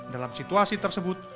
dalam situasi tersebut